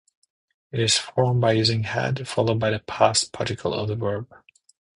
It is formed by using "had" followed by the past participle of the verb.